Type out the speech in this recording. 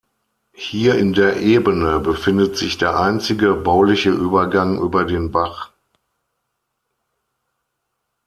Hier in der Ebene befindet sich der einzige bauliche Übergang über den Bach.